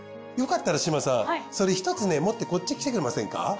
よかったら志真さんそれ１つね持ってこっち来てくれませんか。